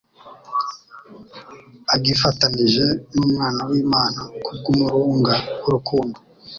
agifatanije n'Umwana w'Imana kubw'umurunga w'urukundo.